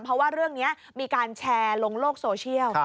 เพราะว่าเรื่องนี้มีการแชร์ลงโลกโซเชียล